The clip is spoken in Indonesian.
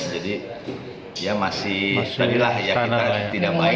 jadi ya masih tadilah ya kita tidak baik